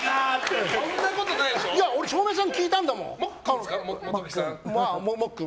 俺、照明さんに聞いたんだもん。